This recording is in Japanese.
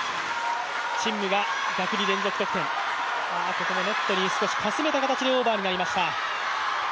ここもネットに少しかすめた形でオーバーになりました。